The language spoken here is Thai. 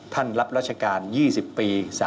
ท่านรับรัชการ๒๐ปี